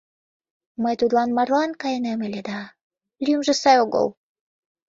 Мый тудлан марлан кайынем ыле да, лӱмжӧ сай огыл.